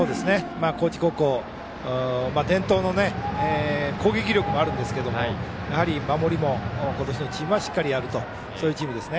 高知高校は伝統の攻撃力もあるんですけどもやはり守りも今年のチームはしっかりやると。